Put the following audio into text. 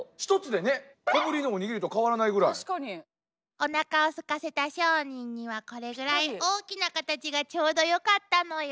おなかをすかせた商人にはこれぐらい大きなカタチがちょうどよかったのよ。